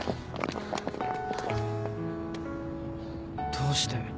どうして？